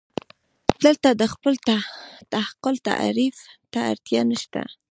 دلته د خپل تعقل تعریف ته اړتیا نشته.